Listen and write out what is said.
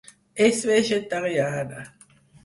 És vegetariana.